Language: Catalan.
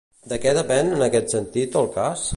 De què depèn, en aquest sentit, el cas?